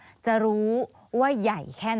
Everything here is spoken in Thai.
มีความรู้สึกว่ามีความรู้สึกว่า